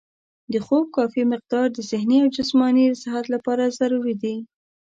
د خوب کافي مقدار د ذهني او جسماني صحت لپاره ضروري دی.